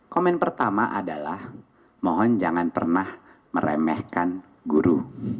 komen pertama adalah mohon jangan pernah meremehkan guru